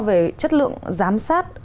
về chất lượng giám sát